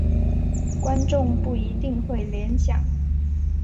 观众不一定会联想。